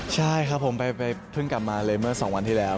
ใช่ครับผมเพิ่งกลับมาเลยเมื่อ๒วันที่แล้ว